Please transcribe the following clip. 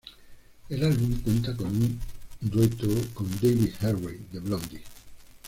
El álbum cuenta con un dueto con Debbie Harry de Blondie.